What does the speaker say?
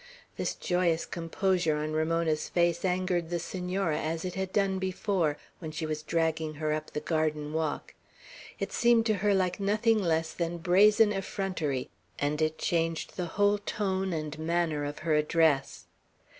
This joyous composure on Ramona's face angered the Senora, as it had done before, when she was dragging her up the garden walk. It seemed to her like nothing less than brazen effrontery, and it changed the whole tone and manner of her address.